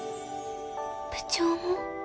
部長も？